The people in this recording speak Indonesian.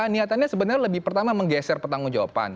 niatannya sebenarnya lebih pertama menggeser pertanggung jawaban